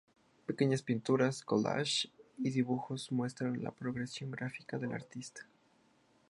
Pequeñas pinturas, "collages" y dibujos muestran la progresión gráfica del artista.